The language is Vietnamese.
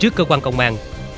trước cơ quan công an